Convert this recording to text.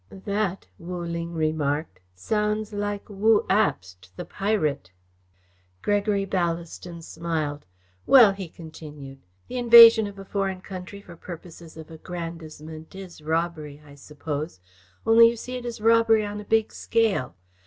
"That," Wu Ling remarked, "sounds like Wu Abst, the pirate." Gregory Ballaston smiled. "Well," he continued, "the invasion of a foreign country for purposes of aggrandisement is robbery, I suppose, only, you see, it is robbery on a big scale.